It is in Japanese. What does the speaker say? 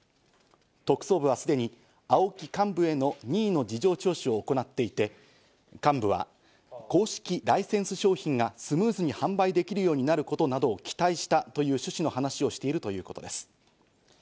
特捜部はすでにＡＯＫＩ幹部への任意の事情聴取を行っていて、幹部は公式ライセンス商品がスムーズに販売できるようになることなどを期待したという趣旨の話をしているということです。